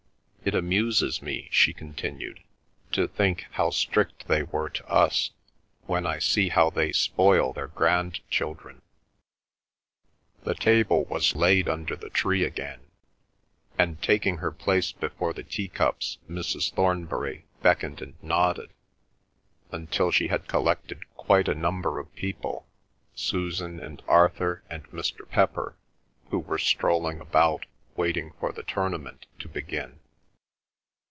It amuses me," she continued, "to think how strict they were to us, when I see how they spoil their grand children!" The table was laid under the tree again, and taking her place before the teacups, Mrs. Thornbury beckoned and nodded until she had collected quite a number of people, Susan and Arthur and Mr. Pepper, who were strolling about, waiting for the tournament to begin.